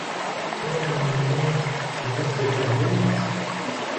كان مناد ينظف البيت.